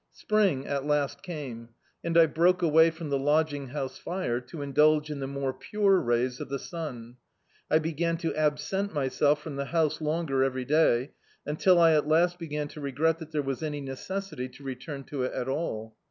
Spring at last came, and I broke away from the lodging house iire, o> indulge in the more pure rays of the sun. I began to absent myself from the house longer every day, imtil I at last began to regret that there was any necessity to return to it at all.